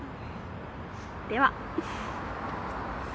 では。